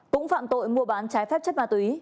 cũng phạm tội mua bán trái phép chất ma túy